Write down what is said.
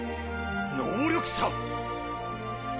能力者！？